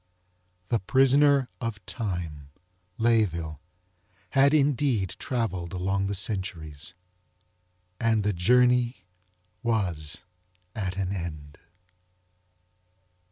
The Prisoner Of Time, Layeville, had indeed travelled along the centuries. And the journey was at an end.